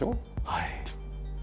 はい。